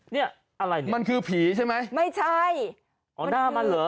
นี่อะไรนี่ไม่ใช่มันคือผีใช่ไหมอ๋อหน้ามันเหรอ